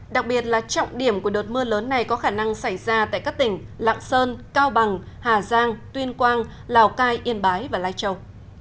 đặc biệt là trọng điểm của đợt mưa lớn này có khả năng xảy ra tại các tỉnh lạng sơn cao bằng hà giang tuyên quang lào cai yên bái và lai châu